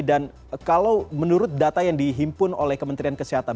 dan kalau menurut data yang dihimpun oleh kementerian kesehatan